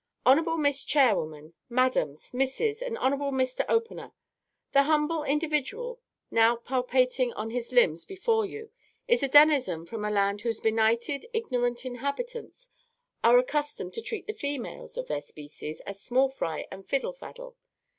"HON'BLE MISS CHAIRWOMAN, MADAMS, MISSES, AND HON'BLE MISTER OPENER, the humble individual now palpitating on his limbs before you is a denizen from a land whose benighted, ignorant inhabitants are accustomed to treat the females of their species as small fry and fiddle faddle.